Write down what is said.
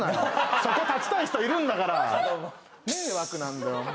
そこ立ちたい人いるんだから迷惑なんだよ